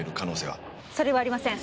それはありません。